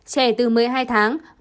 trẻ từ một mươi hai tháng